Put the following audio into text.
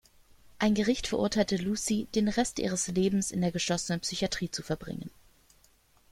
Ein Gericht verurteilt Lucy, den Rest ihres Lebens in der geschlossenen Psychiatrie zu verbringen.